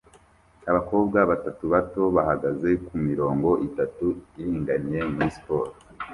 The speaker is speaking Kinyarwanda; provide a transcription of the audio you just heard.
Abakobwa batatu bato bahagaze kumirongo itatu iringaniye muri siporo